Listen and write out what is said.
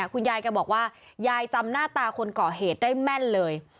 คุณยายแกบอกว่ายายจำหน้าตาคนก่อเหตุได้แม่นเลย